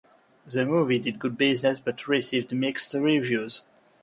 The movie did good business but received mixed reviews.